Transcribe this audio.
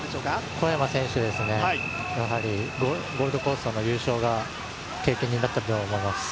小山選手ですね、ゴールドコーストの優勝が経験になったと思います。